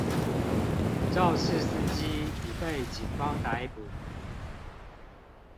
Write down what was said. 肇事司機已被警方逮捕